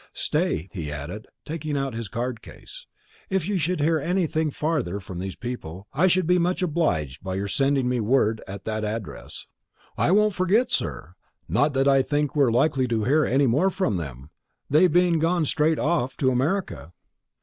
"Stay," he added, taking out his card case; "if you should hear anything farther of these people, I should be much obliged by your sending me word at that address." "I won't forget, sir; not that I think we're likely to hear any more of them, they being gone straight off to America."